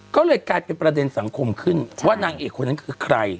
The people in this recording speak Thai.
ก็เลยกลายเป็นประเด็นสังคมขึ้นว่านางเอกคนนั้นคือใคร